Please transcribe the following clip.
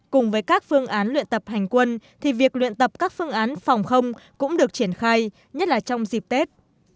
cùng với các phương án luyện tập hành quân thì việc luyện tập các phương án phòng không cũng được triển khai nhất là trong dịp tết